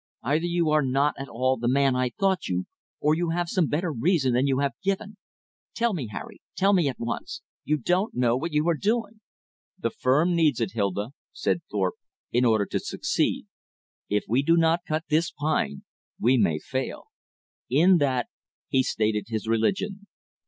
"Either you are not at all the man I thought you, or you have some better reason than you have given. Tell me, Harry; tell me at once. You don't know what you are doing." "The firm needs it, Hilda," said Thorpe, "in order to succeed. If we do not cut this pine, we may fail." In that he stated his religion.